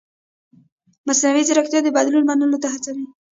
مصنوعي ځیرکتیا د بدلون منلو ته هڅوي.